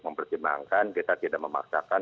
mempertimbangkan kita tidak memaksakan